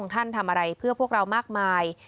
ท่านทำอะไรเพื่อพวกเรามากมาย